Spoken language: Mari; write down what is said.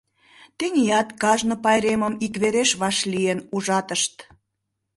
Теният кажне пайремым иквереш вашлийын ужатышт.